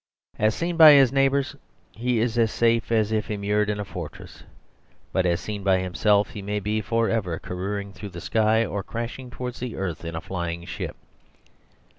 As seen by his neighbours, he is as safe as if im mured in a fortress; but as seen by himself he may be for ever careering through the sky or crashing towards the earth in a flying ship.